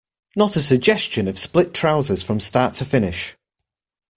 Not a suggestion of split trousers from start to finish.